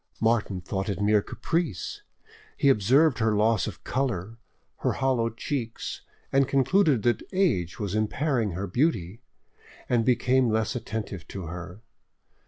Martin thought it mere caprice; he observed her loss of colour, her hollow cheeks, and concluded that age was impairing her beauty, and became less attentive to her.